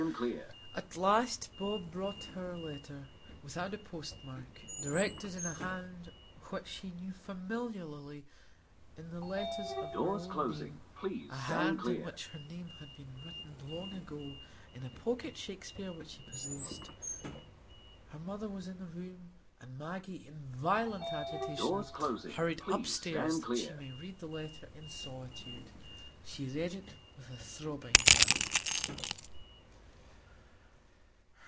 At last Bob brought her a letter, without a postmark, directed in a hand which she knew familiarly in the letters of her own name,—a hand in which her name had been written long ago, in a pocket Shakespeare which she possessed. Her mother was in the room, and Maggie, in violent agitation, hurried upstairs that she might read the letter in solitude. She read it with a throbbing brow.